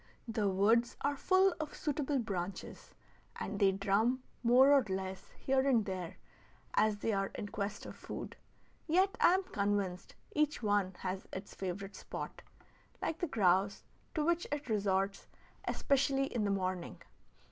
The woods are full of suitable branches, and they drum more or less here and there as they are in quest of food; yet I am convinced each one has its favorite spot, like the grouse, to which it resorts, especially in the morning.